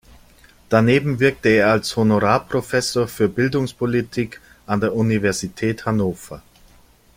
Daneben wirkte er als Honorarprofessor für Bildungspolitik an der Universität Hannover.